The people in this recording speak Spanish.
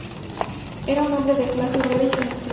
Era un hombre de clase obrera y sin estudios.